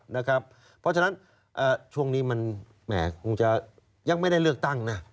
เพราะฉะนั้นช่วงนี้มันแหมคงจะยังไม่ได้เลือกตั้งนะ